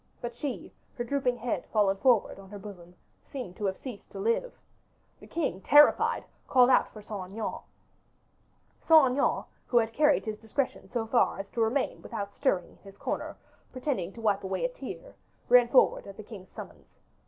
But she, her drooping head fallen forward on her bosom, seemed to have ceased to live. The king, terrified, called out for Saint Aignan. Saint Aignan, who had carried his discretion so far as to remain without stirring in his corner, pretending to wipe away a tear, ran forward at the king's summons.